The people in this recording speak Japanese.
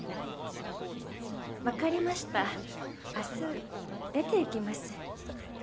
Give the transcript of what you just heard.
分かりました明日出て行きます。